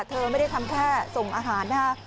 เธอไม่ได้ทำแค่ส่งอาหารนะคะ